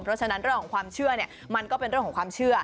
เพราะฉะนั้นเรื่องของความเชื่อเนี่ยมันก็เป็นเรื่องของความเชื่อ